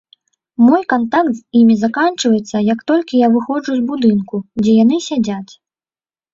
Мой кантакт з імі заканчваецца, як толькі я выходжу з будынку, дзе яны сядзяць.